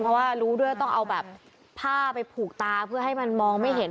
เพราะว่ารู้ด้วยต้องเอาแบบผ้าไปผูกตาเพื่อให้มันมองไม่เห็น